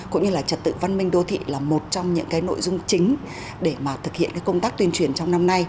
cũng như là trật tự văn minh đô thị là một trong những cái nội dung chính để mà thực hiện công tác tuyên truyền trong năm nay